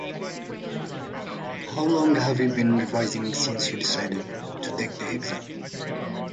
How long have you been revising since you decided to take the exam?